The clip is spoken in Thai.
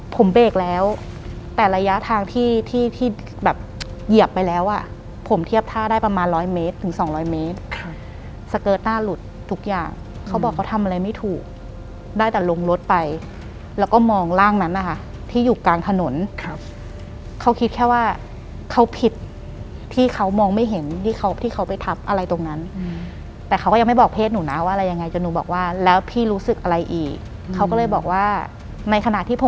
ผมเบรกแล้วแต่ระยะทางที่ที่แบบเหยียบไปแล้วอ่ะผมเทียบท่าได้ประมาณร้อยเมตรถึงสองร้อยเมตรค่ะสเกอร์ตหน้าหลุดทุกอย่างเขาบอกเขาทำอะไรไม่ถูกได้แต่ลงรถไปแล้วก็มองร่างนั้นนะคะที่อยู่กลางถนนครับเขาคิดแค่ว่าเขาผิดที่เขามองไม่เห็นที่เขาที่เขาไปทับอะไรตรงนั้นแต่เขาก็ยังไม่บอกเพศหนูนะว่าอะไรยังไงจนหนูบอกว่าแล้วพี่รู้สึกอะไรอีกเขาก็เลยบอกว่าในขณะที่พ